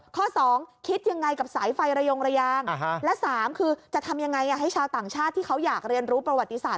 ข้อ๒คิดยังไงกับสายไฟระยงระยางและ๓คือจะทำยังไงให้ชาวต่างชาติที่เขาอยากเรียนรู้ประวัติศาส